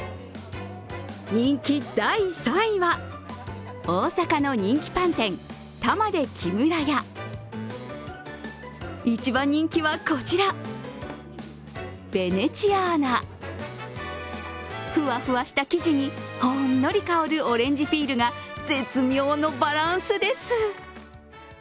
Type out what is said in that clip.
人気第３位は、大阪の人気パン店、玉出木村家。一番人気はこちら、ヴェネチアーナふわふわした生地にほんのり香るオレンジピールが絶妙のバランスです。